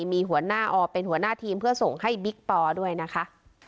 มีหัวหน้าออเป็นหัวหน้าทีมเพื่อส่งให้บิ๊กปอด้วยนะคะ